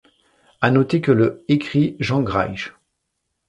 À noter que le écrit Jean Greisch.